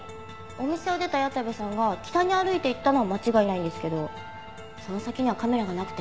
お店を出た矢田部さんが北に歩いていったのは間違いないんですけどその先にはカメラがなくて。